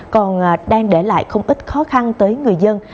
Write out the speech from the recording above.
còn đang để lại không ít khó khăn tới người dân